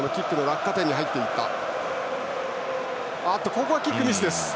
ここはキックミスです。